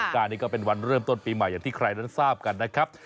การนี้ก็เป็นวันเริ่มต้นปีใหม่อย่างที่ใครนั้นทราบกันนะครับ